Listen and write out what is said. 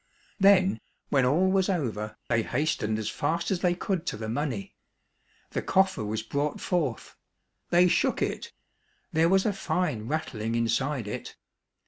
Then, when all was over, they hastened as fast as they could to the money. The coffer was brought forth. They shook it. There was a fine rattling inside it.